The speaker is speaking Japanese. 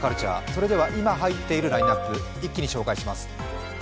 それでは今入っているラインナップ一気に紹介します。